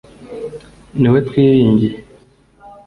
ni we twiringiye